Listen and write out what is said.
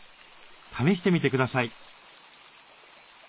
試してみてください。